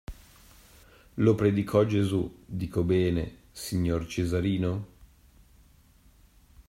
Lo predicò Gesù, dico bene, signor Cesarino?